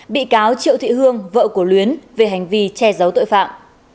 bị cáo triệu thị hương vợ của luyến về hành vi che giấu tội phạm